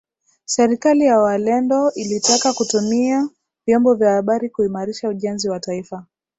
Serikali ya Waalendo ilitaka kutumia vyombo vya habari kuimarisha ujenzi wa taifa